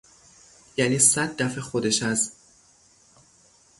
یعنی صد دفه خودش از